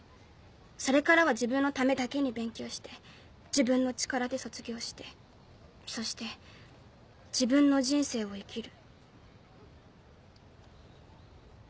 それからは自分のためだけに勉強して自分の力で卒業してそして自分の人生を生きる。